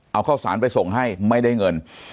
เอาข้าวสารไปส่งให้ไม่ได้เงิน